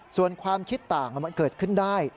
ส่วนความคิดต่างมันเกิดขึ้นได้